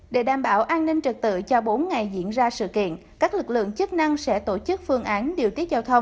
để đảm bảo an ninh trật tự cho bốn ngày diễn ra sự kiện các lực lượng chức năng sẽ tổ chức phương án điều trị